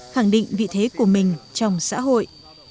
khẳng định vị thế của mình trong xã hội